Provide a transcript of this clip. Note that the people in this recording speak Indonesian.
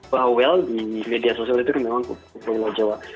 bahwa well di media sosial itu memang pulau jawa